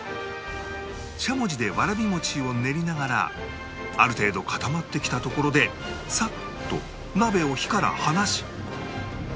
しゃもじでわらび餅を練りながらある程度固まってきたところでサッと鍋を火から離し